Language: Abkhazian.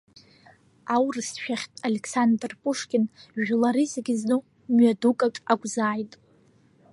Аурысшәахьтә Александр Пушкин жәлары зегь зну мҩадукаҿ акәзааит…